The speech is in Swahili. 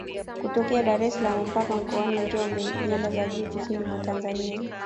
Kutokea Dar es salaam mpaka Mkoani Njombe nyanda za juu kusini mwa Tanzania